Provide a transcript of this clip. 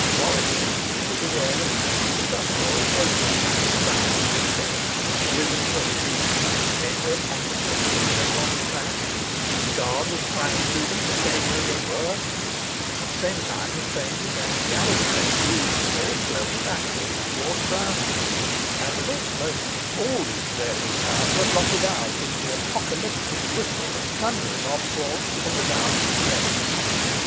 Morris Finsbury was aware of a confused uproar of voices, and sprang to the window. Women were screaming, men were tumbling from the windows on the track, the guard was crying to them to stay where they were; at the same time the train began to gather way and move very slowly backward toward Browndean; and the next moment , all these various sounds were blotted out in the apocalyptic whistle and the thundering onslaught of the down express.